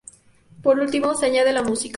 Por último, se añade la música.